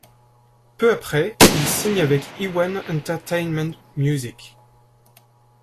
Peu après, ils signent avec eOne Entertainment Music.